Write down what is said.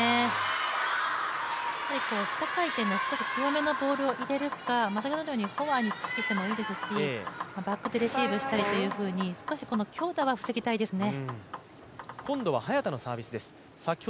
下回転の少し強めのボールを入れるか、先ほどのようにフォアにしてもいいですし、バックでレシーブしたりと少し強打は防ぎたいですね。